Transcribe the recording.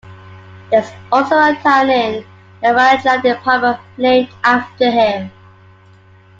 There is also a town in Lavalleja Department named after him.